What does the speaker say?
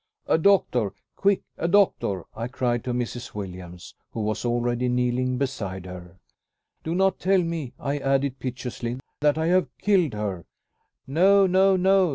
"A doctor! Quick! A doctor!" I cried to Mrs. Williams, who was already kneeling beside her. "Do not tell me," I added piteously, "that I have killed her." "No! no! no!"